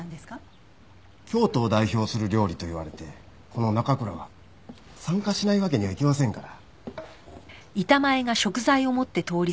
京都を代表する料理と言われてこの奈可倉が参加しないわけにはいきませんから。